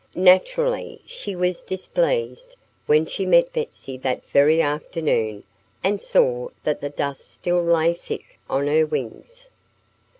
Naturally she was displeased when she met Betsy that very afternoon and saw that the dust still lay thick on her wings.